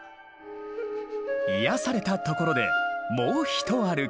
癒やされたところでもう一歩き。